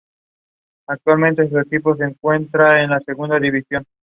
Tiene una iglesia románica en muy mal estado de conservación.